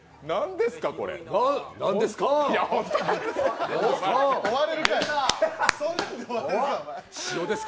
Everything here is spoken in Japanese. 何ですか？